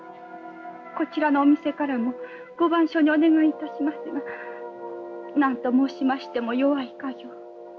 こちらのお店からもご番所にお願いいたしますが何と申しましても弱い稼業。